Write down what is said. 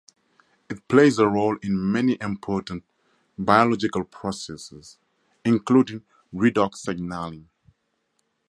It plays a role in many important biological processes, including redox signaling.